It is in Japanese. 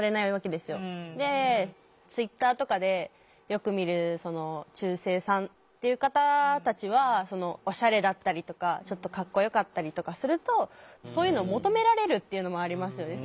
ツイッターとかでよく見る「中性さん」っていう方たちはオシャレだったりとかちょっとかっこよかったりとかするとそういうのを求められるっていうのもありますよね。